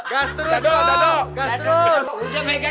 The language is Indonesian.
gas terus dong